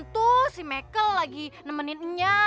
tuh si mekel lagi nemenin nya